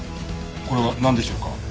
これはなんでしょうか？